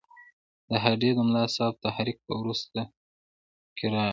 د هډې د ملاصاحب تحریک په وروسته کې راغی.